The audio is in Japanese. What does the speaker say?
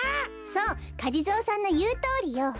そうかじぞーさんのいうとおりよ。